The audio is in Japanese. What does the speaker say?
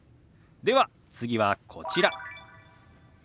では次はこちら。